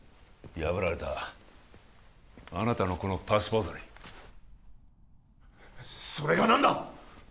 破られたあなたのこのパスポートにそれが何だ？